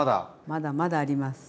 まだまだあります。